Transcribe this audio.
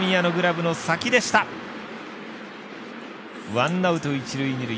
ワンアウト、一塁、二塁。